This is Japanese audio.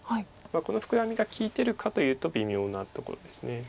このフクラミが利いてるかというと微妙なところです。